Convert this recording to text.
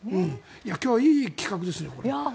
今日はいい企画ですね、これ。